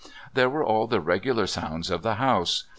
There were all the regular sounds of the house.